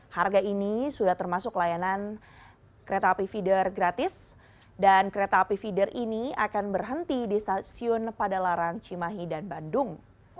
harga ini sudah termasuk layanan kereta api feeder gratis dan kereta api feeder ini akan berhenti di stasiun padalarang cimahi dan bandung